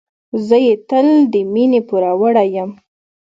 زه یې تل د مينې پوروړی یم.